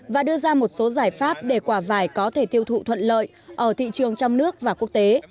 và đưa ra một số giải pháp để quả vải có thể tiêu thụ thuận lợi ở thị trường trong nước và quốc tế